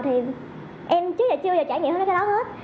thì em chưa bao giờ trải nghiệm được cái đó hết